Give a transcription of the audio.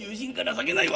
情けないわ。